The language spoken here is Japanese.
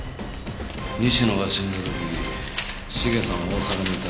西野が死んだ時茂さんは大阪にいた。